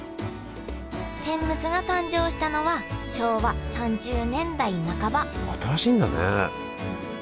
天むすが誕生したのは昭和３０年代半ば新しいんだね。